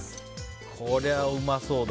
こりゃうまそうだ。